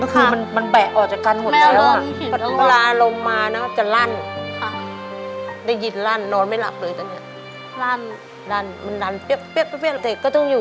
ก็คือมันแบะออกจากกันหมดแล้ว